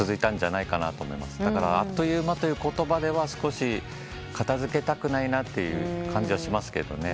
だからあっという間という言葉では少し片付けたくないなっていう感じはしますけどね。